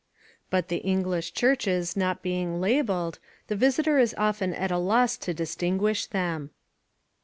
But the English churches not being labelled, the visitor is often at a loss to distinguish them.